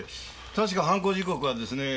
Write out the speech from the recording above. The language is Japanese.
確か犯行時刻はですね